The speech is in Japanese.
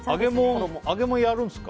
揚げ物やるんですか？